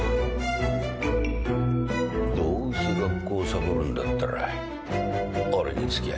どうせ学校サボるんだったら俺に付き合え。